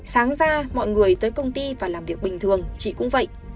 sáng ra mọi người tới công ty và làm việc bình thường chị cũng vậy